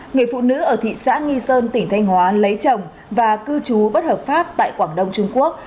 người phụ nữ ở thị xã nghi sơn tỉnh thanh hóa lấy chồng và cư trú bất hợp pháp tại quảng đông trung quốc